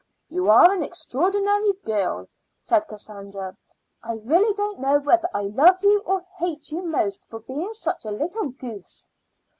"You are an extraordinary girl," said Cassandra. "I really don't know whether I love you or hate you most for being such a little goose.